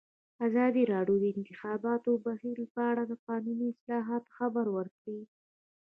ازادي راډیو د د انتخاباتو بهیر په اړه د قانوني اصلاحاتو خبر ورکړی.